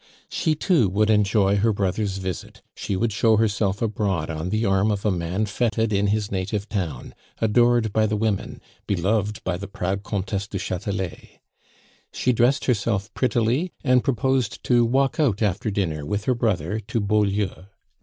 She, too, would enjoy her brother's visit; she would show herself abroad on the arm of a man feted in his native town, adored by the women, beloved by the proud Comtesse du Chatelet. She dressed herself prettily, and proposed to walk out after dinner with her brother to Beaulieu.